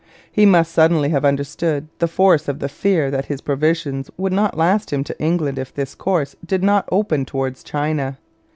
He must suddenly have understood the force of the fear that his provisions would not last him to England if this course did not open towards China.